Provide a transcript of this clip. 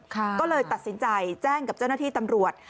ก็เลยตัดสินใจแจ้งกับเจ้าหน้าที่ตำรวจ